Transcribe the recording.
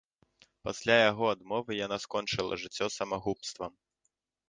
Пасля яго адмовы, яна скончыла жыццё самагубствам.